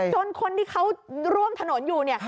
คนที่เขาร่วมถนนอยู่เนี่ย